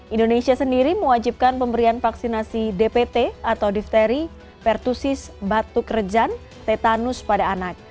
indonesia sendiri mewajibkan pemberian vaksinasi dpt atau difteri pertusis batuk rejan tetanus pada anak